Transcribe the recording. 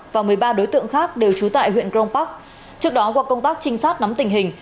và một mươi ba đối tượng khác đều trú tại huyện crong park trước đó qua công tác trinh sát nắm tình hình